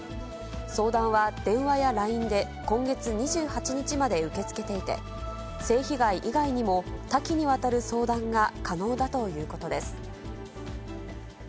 相談は電話やＬＩＮＥで、今月２８日まで受け付けていて、性被害以外にも、多岐にわたる相談が可能だということです。